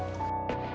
jadi terserah akulah